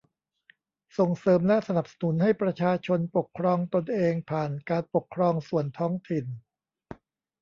ส่งเสริมและสนับสนุนให้ประชาชนปกครองตนเองผ่านการปกครองส่วนท้องถิ่น